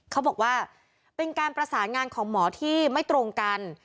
เขาบอกว่าเป็นการประสานงานของหมอที่ไม่ตรงกัน